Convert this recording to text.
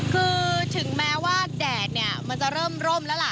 คือถึงแม้ว่าแดดเนี่ยมันจะเริ่มร่มแล้วล่ะ